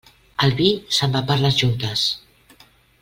El vi se'n va per les juntes.